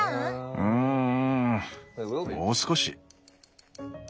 うんもう少し。